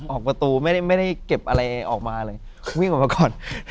ออกประตูไม่ได้เก็บอะไรออกมาเลยวิ่งออกมาก่อน